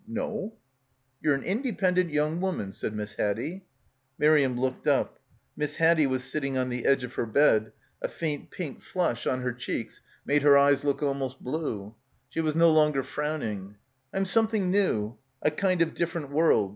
"No." "Ye're an independent young woman," said Miss Haddie. Miriam looked up. Miss Haddie was sitting on the edge of her bed. A faint pink flush on her — 136 — BACKWATER cheeks made her eyes look almost blue. She was no longer frowning. Tm something new — a kind of different world.